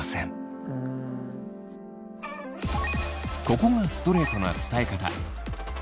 ここがストレートな伝え方。